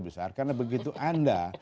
besar karena begitu anda